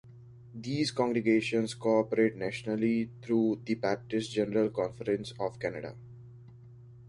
These congregations cooperate nationally through the Baptist General Conference of Canada.